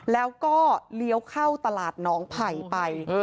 แล้วก็เลี้ยวเข้าตลาดหนองไผ่ไป